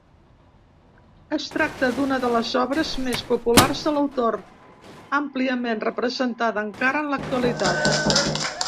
Es tracta d'una de les obres més populars de l'autor, àmpliament representada encara en l'actualitat.